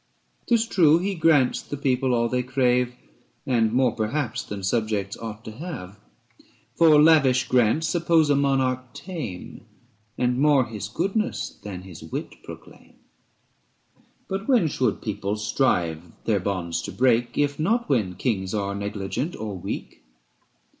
'Tis true he grants the people all they crave, And more perhaps than subjects ought to have : For lavish grants suppose a monarch tame 385 And more his goodness than his wit proclaim. But when should people strive their bonds to break, If not when kings are negligent or weak